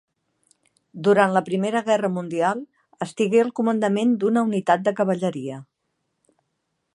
Durant la Primera Guerra Mundial estigué al comandament d'una unitat de cavalleria.